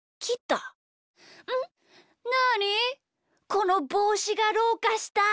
このぼうしがどうかした？